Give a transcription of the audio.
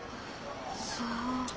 そう。